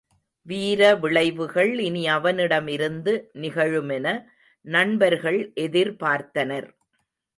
வீர விளைவுகள் இனி அவனிடமிருந்து நிகழுமென நண்பர்கள் எதிர்பார்த்தனர்.